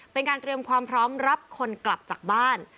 เป็นการเตรียมความพร้อมรับคนกลับจากบ้าน